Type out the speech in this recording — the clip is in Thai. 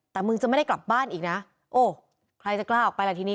แต่มึงจะไม่ได้กลับบ้านอีกนะโอ้ใครจะกล้าออกไปล่ะทีนี้